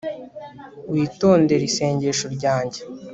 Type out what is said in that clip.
witondere isengesho ryanjye